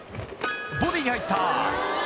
ボディーに入った！